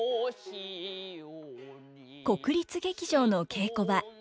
国立劇場の稽古場。